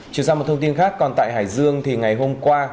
chuyển sang một thông tin khác còn tại hải dương thì ngày hôm qua